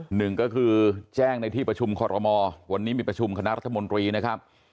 หนึ่งก็คือแจ้งในที่ประชุมคอรมอลวันนี้มีประชุมคณะรัฐมนตรีนะครับ